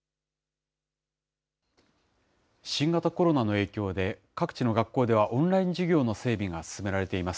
新型コロナの影響で、各地の学校では、オンライン授業の整備が進められています。